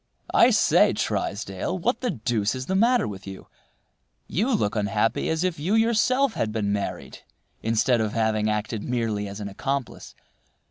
"I say, Trysdale, what the deuce is the matter with you? You look unhappy as if you yourself had been married instead of having acted merely as an accomplice.